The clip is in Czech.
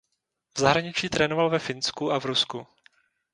V zahraničí trénoval ve Finsku a v Rusku.